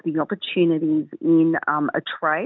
semua perlu lebih baik diketahui